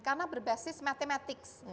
karena berbasis matematik